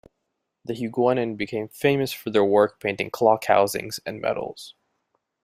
The Huguenin became famous for their work painting clock housings and medals.